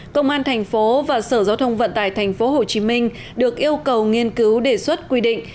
công an tp và sở giao thông vận tải tp hcm được yêu cầu nghiên cứu đề xuất quy định